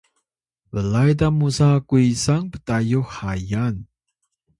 blay ta musa kuysang ptayux hayan